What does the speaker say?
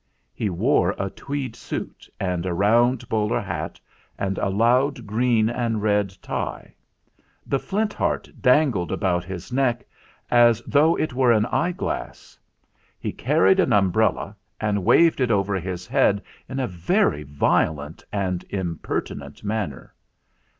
He wore a tweed suit and a round bowler hat and a loud green and red tie. The Flint Heart dangled about his neck, as though it were an eyeglass. He carried an umbrella, and he waved it over his head in a very violent and impertinent manner.